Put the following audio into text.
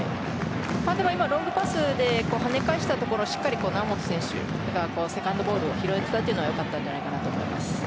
でも今、ロングパスではね返したところもしっかり猶本選手がセカンドボールを拾えていたというのは良かったんじゃないかと思います。